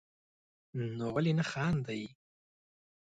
نو ولي نه خاندئ